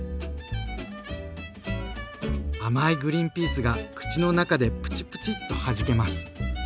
甘いグリンピースが口の中でプチプチッとはじけます。